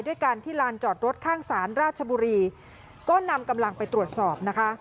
ด้วยกันที่ลานจอดรถข้างศาลราชบุรีก็นำกำลังไปตรวจสอบนะคะ